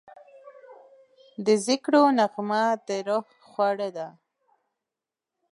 د ذکرو نغمه د روح خواړه ده.